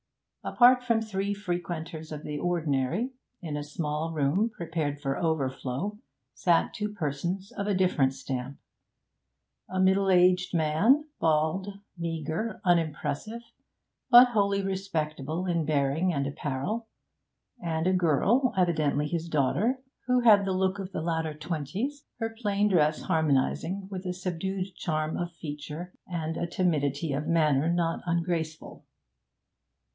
Apart from three frequenters of the ordinary, in a small room prepared for overflow, sat two persons of a different stamp a middle aged man, bald, meagre, unimpressive, but wholly respectable in bearing and apparel, and a girl, evidently his daughter, who had the look of the latter twenties, her plain dress harmonising with a subdued charm of feature and a timidity of manner not ungraceful.